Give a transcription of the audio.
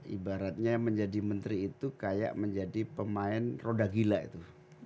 ibaratnya menjadi menteri itu kayak menjadi pemain roda gila itu